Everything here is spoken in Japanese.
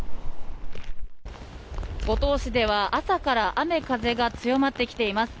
五島市では朝から雨風が強まってきています。